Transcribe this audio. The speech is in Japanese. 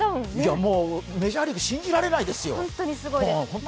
メジャーリーグ、信じられないですよ。